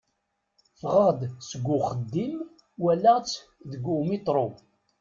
Ffɣeɣ-d seg uxeddim walaɣ-tt deg umitṛu.